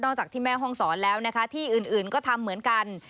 จากที่แม่ห้องศรแล้วนะคะที่อื่นก็ทำเหมือนกัน